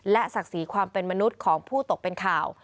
และศักดิ์ศรีความเป็นมนุษย์ของผู้ตกเป็นข่าว